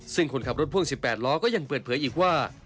ซึ่งคนขับรถพ่วง๑๘ล้อก็ยังเปิดเผยอีกว่า